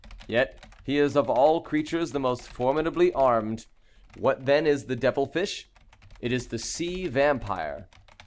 Yet he is of all creatures the most formidably armed. What, then, is the devil fish? It is the sea vampire.